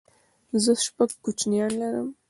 زه شپږ کوچنيان لرم